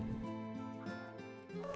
atau menggunakan aplikasi yang berbeda